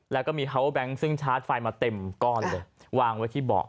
แล้วก็มีเขาแบงค์ซึ่งชาร์จไฟมาเต็มก้อนเลยวางไว้ที่เบาะ